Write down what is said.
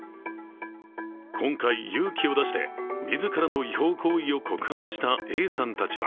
今回、勇気を出して自らの違法行為を告発したＡさんたちは